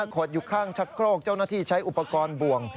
ขดอยู่ข้างชักโครกเจ้าหน้าที่ใช้อุปกรณ์บ่วง